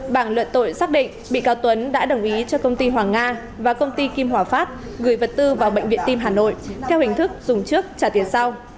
bảng luận tội xác định bị cáo tuấn đã đồng ý cho công ty hoàng nga và công ty kim hòa phát gửi vật tư vào bệnh viện tim hà nội theo hình thức dùng trước trả tiền sau